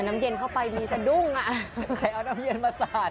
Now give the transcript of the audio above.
น้ำเย็นเข้าไปมีสะดุ้งอ่ะใครเอาน้ำเย็นมาสาด